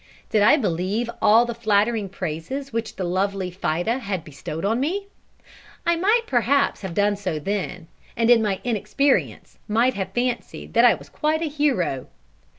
Did I believe all the flattering praises which the lovely Fida had bestowed on me? I might perhaps have done so then, and in my inexperience might have fancied that I was quite a hero.